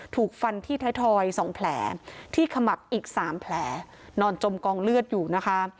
ถูกฟันที่ท้ายทอย๒แผลที่ขมับอีก๓แผลนอนจมกองเลือดอยู่นะคะ